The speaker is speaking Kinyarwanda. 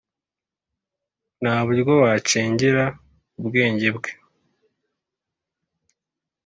nta buryo wacengera ubwenge bwe.